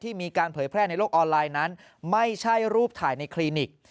มีการเผยแพร่ในโลกออนไลน์นั้นไม่ใช่รูปถ่ายในคลินิก